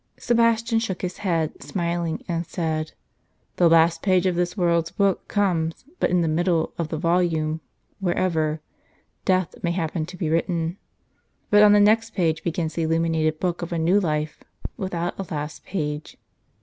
Sebastian shook his head, smiling, and said, "The last page of this world's book comes but in the middle of the *" As a sated guest." volume, wherever ' death ' may happen to be written. But on the next page begins the illuminated book of a new life — without a last page."